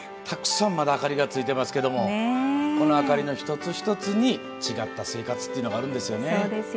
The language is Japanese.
たくさん、まだ明かりがついてますけどこの明かりの一つ一つに違った生活っていうのがあるんですよね。